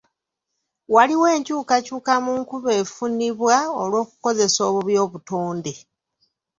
Waliwo enkyukakyuka mu nkuba efunibwa olw'okukozesa obubi obutonde.